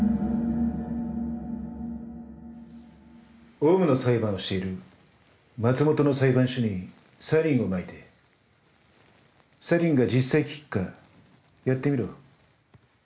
オウムの裁判をしている松本の裁判所にサリンをまいてサリンが実際効くかやってみろ。